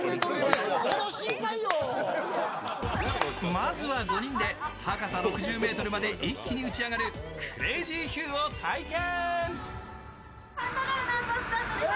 まずは５人で高さ６０ｍまで一気に打ち上がるクレージーヒューを体験！